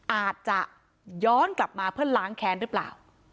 อาจจะย้อนกลับมาเพื่อล้างแค้นหรือเปล่า